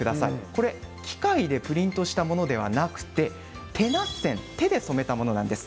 これ、機械でプリントしたものではなくて手なっ染手で染めたものなんです。